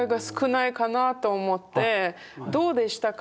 「どうでしたか？